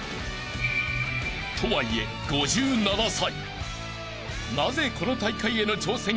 ［とはいえ５７歳］